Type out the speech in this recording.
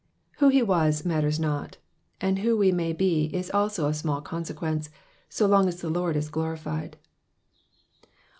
Who he xjoaa matters not, and who we may be is also of amail consequence, so long as the Lord is glorified.